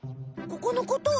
ここのこと？